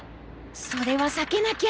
それは避けなきゃ。